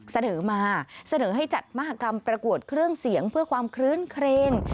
เสนอมาเสนอให้จัดมหากรรมประกวดเครื่องเสียงเพื่อความคลื้นเครง